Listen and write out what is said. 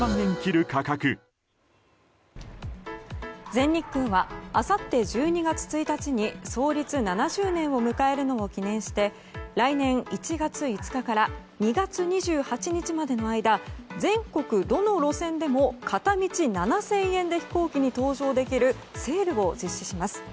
全日空はあさって１２月１日に創立７０年を迎えるのを記念して来年１月５日から２月２８日までの間全国どの路線でも片道７０００円で飛行機に搭乗できるセールを実施します。